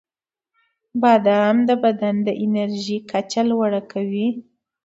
• بادام د بدن د انرژۍ کچه لوړه کوي.